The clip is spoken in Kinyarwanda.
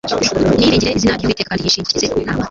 Niyiringire izina ry'Uwiteka, kandi yishingikirize ku Mana ye